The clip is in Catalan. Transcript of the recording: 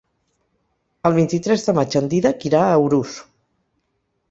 El vint-i-tres de maig en Dídac irà a Urús.